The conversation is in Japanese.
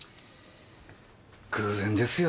偶然ですよ